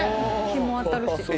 日も当たるし。